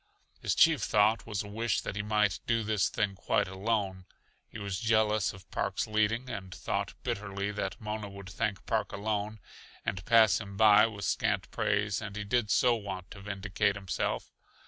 His chief thought was a wish that he might do this thing quite alone. He was jealous of Park's leading, and thought bitterly that Mona would thank Park alone and pass him by with scant praise and he did so want to vindicate himself.